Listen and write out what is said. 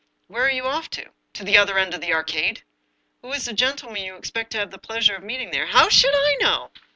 " Where are you off to ?"" To the other end of the Arcade." " Who is the gentleman you expect to have the pleasure of meeting there ?"" How should I know?